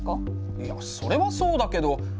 いやそれはそうだけどあれ？